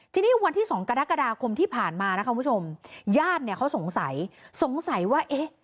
ทีนี้วันที่สองกรกฎาคมที่ผ่านมานะคะคุณผู้ชมญาติเนี่ยเขาสงสัยสงสัยว่าเอ๊ะ